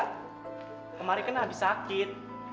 kemarin kan habis sakit